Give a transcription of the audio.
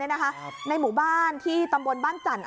ในหมู่บ้านที่ตำบลบ้านจันทร์